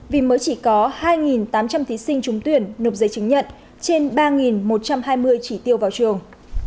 vì mới chỉ có hai tám trăm linh thí sinh trúng tuyển nộp giấy chứng nhận trên ba một trăm hai mươi chỉ tiêu vào trường